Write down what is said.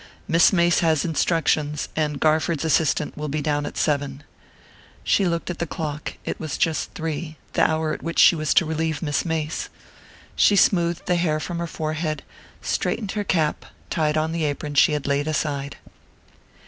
Miss Mace has instructions, and Garford's assistant will be down at seven." She looked at the clock: it was just three, the hour at which she was to relieve Miss Mace. She smoothed the hair from her forehead, straightened her cap, tied on the apron she had laid aside....